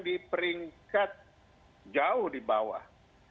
di peringkat jauh di bawah